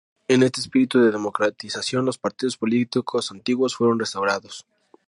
En este espíritu de democratización, los partidos políticos antiguos fueron restaurados.